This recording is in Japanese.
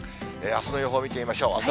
あすの予報見てみましょう。